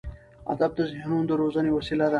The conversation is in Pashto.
ادب د ذهنونو د روزنې وسیله ده.